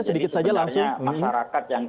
sedikit saja langsung jadi sebenarnya masyarakat yang